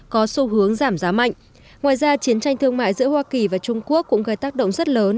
có xu hướng giảm giá mạnh ngoài ra chiến tranh thương mại giữa hoa kỳ và trung quốc cũng gây tác động rất lớn